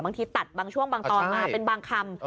ตัดบางช่วงบางตอนมาเป็นบางคำ